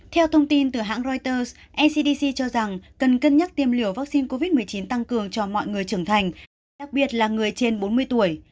theo thông tin từ hãng reuters ncdc cho rằng cần cân nhắc tiêm liều vaccine covid một mươi chín tăng cường cho mọi người trưởng thành đặc biệt là người trên bốn mươi tuổi